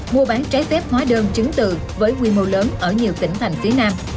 mua bán trái phép hóa đơn chứng từ với quy mô lớn ở nhiều tỉnh thành phía nam